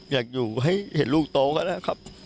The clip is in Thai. อยากอยู่ให้เห็นลูกโตก็ได้ครับ